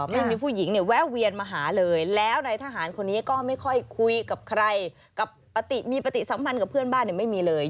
ฟังเสียงคุณแม่นะค่ะ